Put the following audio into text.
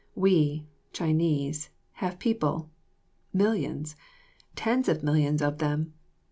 We, Chinese, have people millions, tens of millions of them.